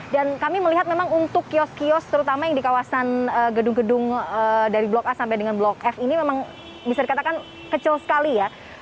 dan kami melihat memang untuk kios kios terutama yang di kawasan gedung gedung dari blok a sampai dengan blok f ini memang bisa dikatakan kecil sekali ya